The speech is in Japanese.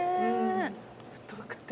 太くて。